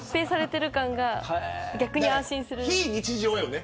非日常だよね。